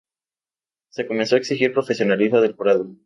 Se comenzó a exigir el profesionalismo del jurado.